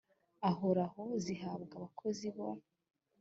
ahoraho zihabwa abakozi bo